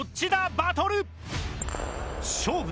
バトル。